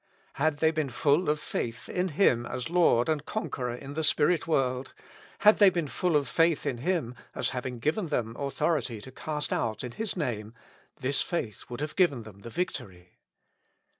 Had they been full of faith in Him as Lord and Conqueror in the spirit world, had they been full of faith /;/ Him as having given them authority to cast out in His name, this faith would have given them the victory.